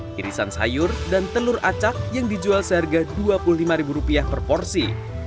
kirisan sayur dan telur acak yang dijual seharga dua puluh lima per porsi